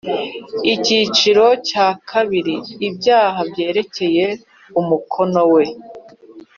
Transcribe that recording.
icyiciro cya kabiri ibyaha byerekeye umukono we